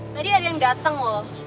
tadi ada yang datang loh